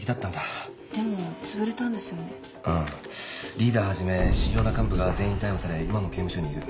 リーダーはじめ主要な幹部が全員逮捕され今も刑務所にいる。